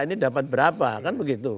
ini dapat berapa kan begitu